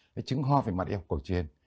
trứng ho về mặt y học cổ truyền